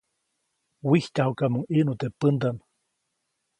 Wijtyajuʼkamuŋ ʼiʼnu teʼ pändaʼm.